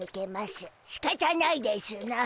しかたないでしゅな。